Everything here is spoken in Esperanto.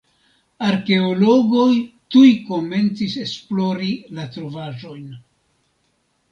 Arkeologoj tuj komencis esplori la trovaĵojn.